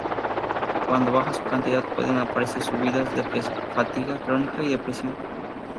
Cuando baja su cantidad pueden aparecer subidas de peso, fatiga crónica y depresión.